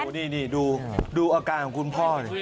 นี่นี่นี่ดูดูอาการของคุณพ่อ